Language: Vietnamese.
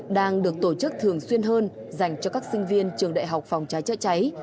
đang được tổ chức thường xuyên hơn dành cho các sinh viên trường đại học phòng cháy chữa cháy